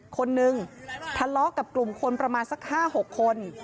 คนนึงทะเลาะกับกลุ่มคนประมาณสัก๕๖คน